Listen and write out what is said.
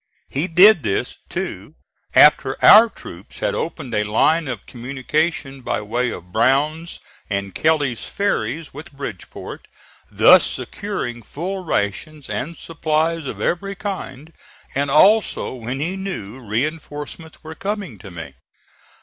He did this, too, after our troops had opened a line of communication by way of Brown's and Kelly's ferries with Bridgeport, thus securing full rations and supplies of every kind; and also when he knew reinforcements were coming to me.